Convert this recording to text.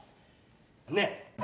ねっ！